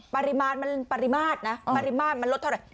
ปริมาณมันปริมาตรนะปริมาตรมันลดเท่าไหร่